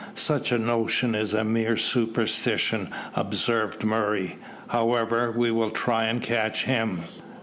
"Such a notion is a mere superstition," observed Murray. "However, we will try and catch him."